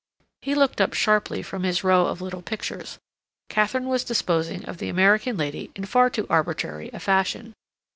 He looked up sharply from his row of little pictures. Katharine was disposing of the American lady in far too arbitrary a fashion.